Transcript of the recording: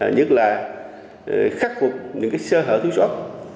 nhất là khắc phục những sơ hở thứ suốt